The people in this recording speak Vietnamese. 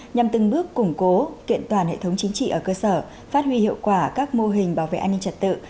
nhằm từng bước củng cố kiện toàn hệ thống chính trị ở cơ sở phát huy hiệu quả các mô hình bảo vệ an ninh trật tự